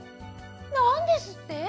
なんですって！？